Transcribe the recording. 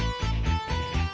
aku mau ke rumah